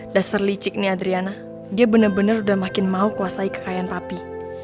dasar licik nih adriana dia bener bener udah makin mau kuasai kekayaan papi